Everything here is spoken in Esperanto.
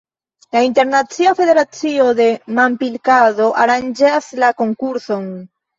La Internacia Federacio de Manpilkado aranĝas la konkurson.